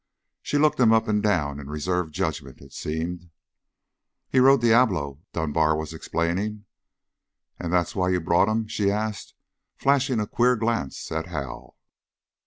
She looked him up and down and reserved judgment, it seemed. "He rode Diablo," Dunbar was explaining. "And that's why you brought him?" she asked, flashing a queer glance at Hal.